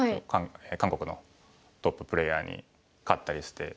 韓国のトッププレーヤーに勝ったりして。